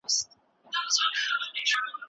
کور خراب سو خر تر خاورو لاندي مړ سو